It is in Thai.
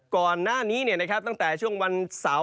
ก่อนหน้านี้ตั้งแต่ช่วงวันเสาร์